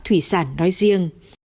thủy sản nói riêng